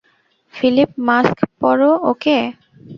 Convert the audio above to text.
Philip, mask পরো, ওকে?